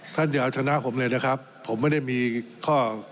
อย่าเอาชนะผมเลยนะครับผมไม่ได้มีข้อ